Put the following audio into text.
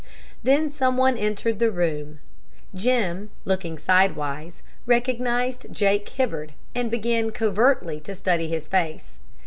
Then some one entered the room. Jim, looking sidewise, recognized Jake Hibbard, and began covertly to study his face.